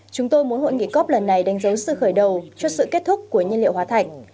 chúng tôi muốn hội nghị cop lần này đánh dấu sự khởi đầu cho sự kết thúc của nhiên liệu hóa thạch